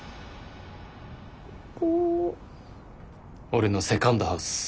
俺のセカンドハウス。